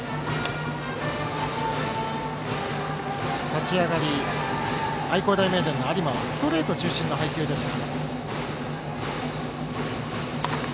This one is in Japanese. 立ち上がり、愛工大名電の有馬はストレート中心の配球でした。